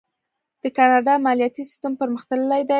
د کاناډا مالیاتي سیستم پرمختللی دی.